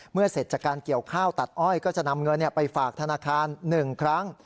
เสร็จจากการเกี่ยวข้าวตัดอ้อยก็จะนำเงินไปฝากธนาคาร๑ครั้ง